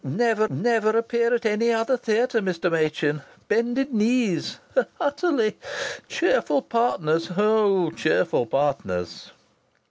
'Never, never appear at any other theatre, Mr. Machin!' ... 'Bended knees!' ... 'Utterly!' ... Cheerful partners! Oh! cheerful partners!"